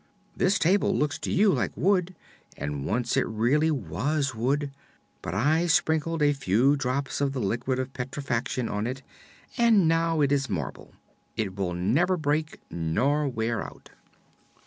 This table looks to you like wood, and once it really was wood; but I sprinkled a few drops of the Liquid of Petrifaction on it and now it is marble. It will never break nor wear out."